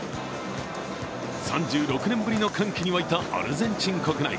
３６年ぶりの歓喜に沸いたアルゼンチン国内。